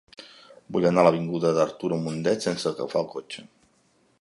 Vull anar a l'avinguda d'Arturo Mundet sense agafar el cotxe.